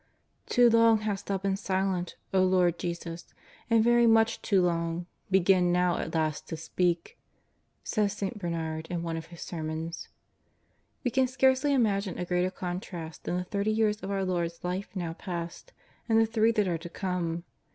" Too long hast Thou been silent, O Lord Jesus, and very much too long; begin now at last to speak," says St. Bernard in one of his sermons. We can scarcely imagine a greater contrast than the thirty years of our Lord's Life now past, and the three that are to come.